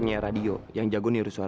seperti yang oilio says